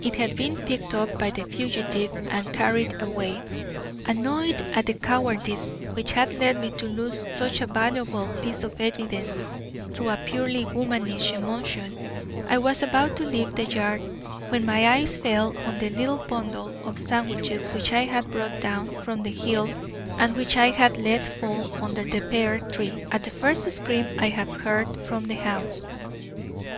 It had been picked up by the fugitive and carried away. Annoyed at the cowardice which had led me to lose such a valuable piece of evidence through a purely womanish emotion, I was about to leave the yard, when my eyes fell on the little bundle of sandwiches which I had brought down from the hill and which I had let fall under the pear tree, at the first scream I had heard from the house.